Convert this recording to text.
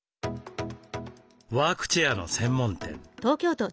ワークチェアの専門店。